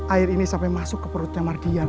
air ini sampai masuk ke perutnya mardian